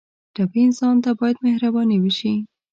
ټپي انسان ته باید مهرباني وشي.